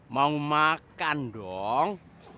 mau makan dong